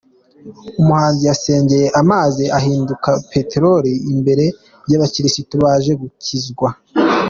Umuhanuzi yasengeye amazi ahinduka peteroli imbere y’abakirisitu baje gukizwa .